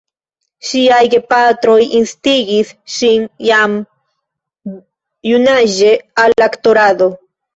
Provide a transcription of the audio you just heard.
Ŝiaj gepatroj instigis ŝin jam junaĝe al aktorado.